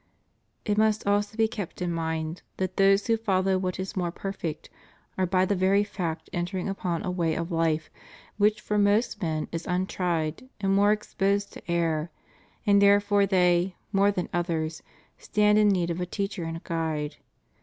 It must also be kept in mind that those who follow what is more perfect are by the very fact entering upon a way of life which for most men is untried and more exposed to error, and therefore they, more than others, stand in need of a teacher and a guide.